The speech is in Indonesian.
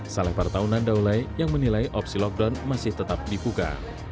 salih partaunan daulai yang menilai opsi lockdown masih tetap dibuka